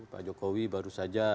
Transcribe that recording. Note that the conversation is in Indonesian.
pak jokowi baru saja